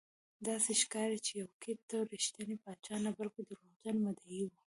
داسې ښکاري چې یوکیت ټو رښتینی پاچا نه بلکې دروغجن مدعي و.